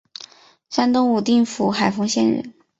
山东武定府海丰县人。